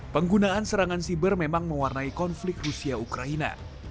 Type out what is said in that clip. penggunaan serangan siber memang mewarnai konflik rusia ukraina